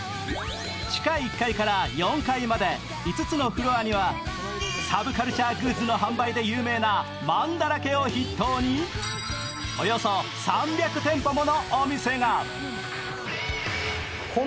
地下１階から４階までの５つのフロアにはサブカルチャーグッズの販売で有名なまんだらけを筆頭におよそ３００店舗ものお店が。